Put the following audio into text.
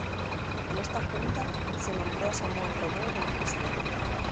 En esa junta, se nombró a Samuel Romeo como presidente.